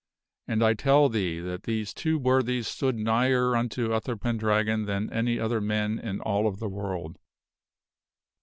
And I tell thee that these two worthies stood nigher unto Uther Pendragon than any other men in all of the world.